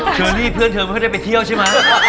เชอรี่เพื่อนเธอไม่ค่อยได้ไปเที่ยวใช่ไหม